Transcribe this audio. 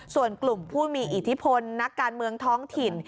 ส่วนกลุ่มผู้มีอิทธิพลนักการเมืองท้องถิ่น